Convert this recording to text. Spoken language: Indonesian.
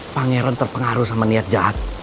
pangeran terpengaruh sama niat jahat